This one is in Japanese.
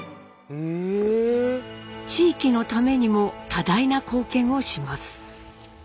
地域のためにも多大な貢献をします。